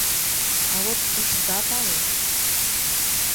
— А вот ышда пале!